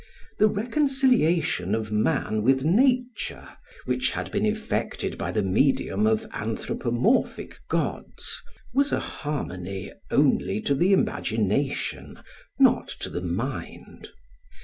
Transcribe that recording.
The reconciliation of man with nature which had been effected by the medium of anthropomorphic gods was a harmony only to the imagination, not to the mind.